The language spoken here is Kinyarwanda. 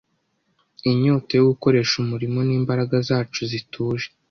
Inyota yo gukoresha umuriro n'imbaraga zacu zituje